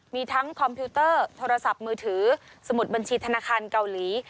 มีทั้งคอมพิวเตอร์โทรศัพท์มือถือสมุดบัญชีธนาคารเกาหลี